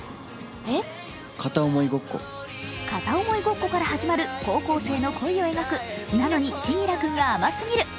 片思いごっこから始まる高校生の恋を描く「なのに、千輝くんが甘すぎる」。